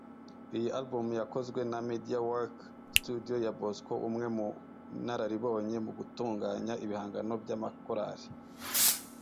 Iyi album yakozwe na Media work Studio ya Bosco umwe mu nararibonye mu gutunganya ibihangano by’amakorali